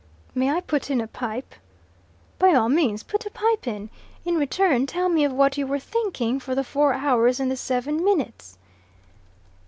"May I put in a pipe?" "By all means put a pipe in. In return, tell me of what you were thinking for the four hours and the seven minutes."